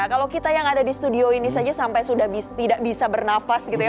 kalau kita yang ada di studio ini saja sampai sudah tidak bisa bernafas gitu ya